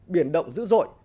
biển động dữ dội